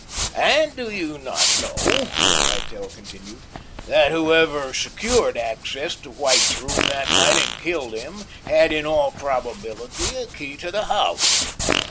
"And do you not know also," Littell continued, "that whoever secured access to White's room that night and killed him, had, in all probability, a key to the house?"